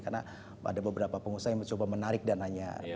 karena ada beberapa pengusaha yang mencoba menarik dananya